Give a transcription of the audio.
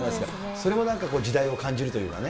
それもなんか時代を感じるというかね。